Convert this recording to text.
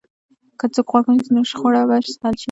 که څوک غوږ ونیسي، نو شخړه به حل شي.